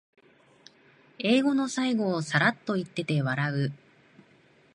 映画の最後をサラッと言ってて笑う